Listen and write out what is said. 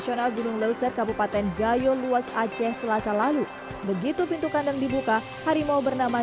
nasional gunung leuser kabupaten gayo luas aceh selasa lalu begitu pintu kandang dibuka harimau bernama